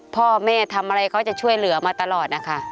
พ่อแม่ทำอะไรเขาจะช่วยเหลือมาตลอดนะคะ